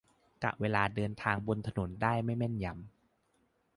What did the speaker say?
กะเวลาเดินทางบนถนนได้ไม่แม่นยำ